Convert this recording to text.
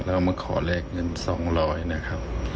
แล้วก็มาขอแลกเงิน๒๐๐นะครับ